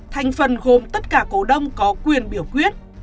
thành phần gồm tất cả cổ đông có quyền biểu quyết